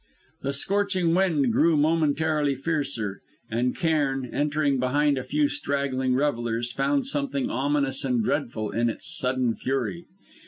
The scorching wind grew momentarily fiercer, and Cairn, entering behind a few straggling revellers, found something ominous and dreadful in its sudden fury.